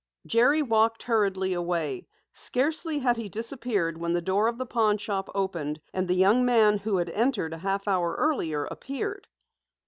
Jerry walked hurriedly away. Scarcely had he disappeared when the door of the pawnshop opened, and the young man who had entered a half hour earlier, appeared.